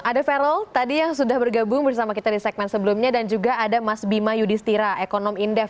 ada verol tadi yang sudah bergabung bersama kita di segmen sebelumnya dan juga ada mas bima yudhistira ekonom indef